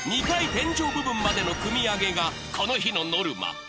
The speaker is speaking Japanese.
天井部分までの組み上げが、この日のノルマ。